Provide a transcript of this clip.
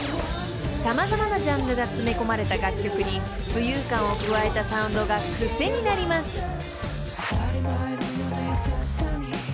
様々なジャンルが詰め込まれた楽曲に浮遊感を加えたサウンドが癖になります］